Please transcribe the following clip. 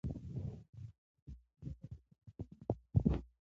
سیاسي پرېکړې ملي ګټې خوندي کوي